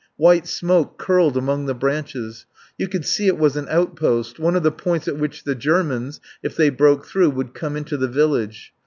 White smoke curled among the branches. You could see it was an outpost, one of the points at which the Germans, if they broke through, would come into the village.